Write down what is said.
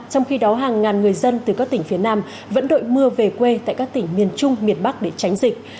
trong khi đó hàng ngàn người dân từ các tỉnh phía nam vẫn đội mưa về quê tại các tỉnh miền trung miền bắc để tránh dịch